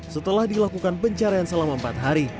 setelah dilakukan pencarian selama empat hari